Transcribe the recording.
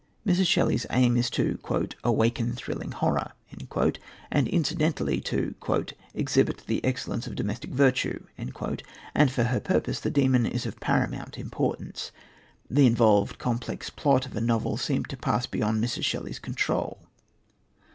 Mrs. Shelley's aim is to "awaken thrilling horror," and, incidentally, to "exhibit the excellence of domestic virtue," and for her purpose the demon is of paramount importance. The involved, complex plot of a novel seemed to pass beyond Mrs. Shelley's control.